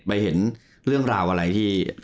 ไปเห็นเรื่องราวอะไรที่